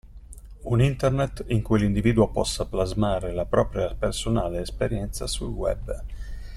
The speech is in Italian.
Un Internet in cui l'individuo possa plasmare la propria personale esperienza sul Web.